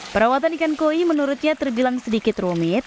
perawatan ikan koi menurutnya terbilang sedikit rumit